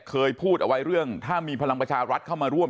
เคยพูดเอาไว้เรื่องถ้ามีพลังประชารัฐเข้ามาร่วม